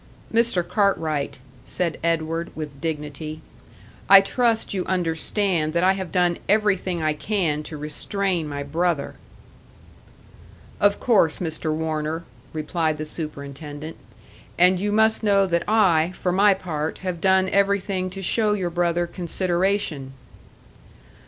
"Mr. Cartwright," said Edward, with dignity, "I trust you understand that I have done everything I can to restrain my brother." "Of course, Mr. Warner," replied the superintendent. "And you must know that I, for my part, have done everything to show your brother consideration."